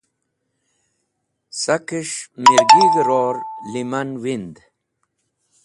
Sakes̃h mirgig̃h-ror liman wind.